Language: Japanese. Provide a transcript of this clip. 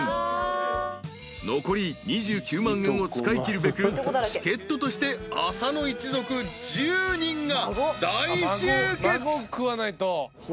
［残り２９万円を使いきるべく助っ人として浅野一族１０人が大集結］